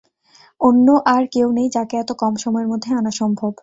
অন্য আর কেউ নেই যাকে এত কম সময়ের মধ্যে আনা সম্ভব।